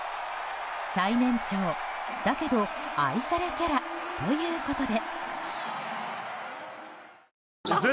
最年長だけど愛されキャラということで。